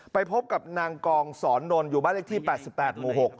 ไปพบกับนางกองสอนนนท์อยู่บ้านเลขที่๘๘หมู่๖